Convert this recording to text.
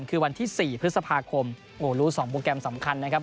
คือวันที่๔พฤษภาคมโอ้โหรู้๒โปรแกรมสำคัญนะครับ